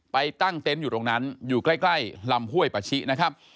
ตั้งเต็นต์อยู่ตรงนั้นอยู่ใกล้ลำห้วยปะชินะครับ